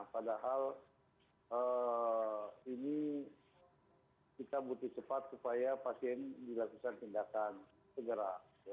padahal ini kita butuh cepat supaya pasien dilakukan tindakan segera